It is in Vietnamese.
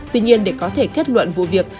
tuy nhiên để có thể kết luận vụ việc